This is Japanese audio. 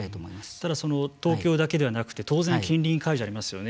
ただ、その東京だけではなくて当然、近隣会場がありますよね。